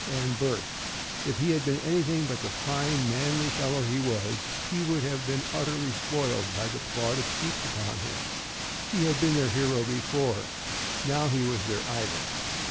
And Bert! If he had been anything but the fine, manly fellow he was, he would have been utterly spoiled by the plaudits heaped upon him. He had been their hero before; now he was their idol.